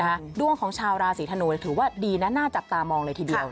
ดวงของชาวราศีธนูถือว่าดีนะน่าจับตามองเลยทีเดียว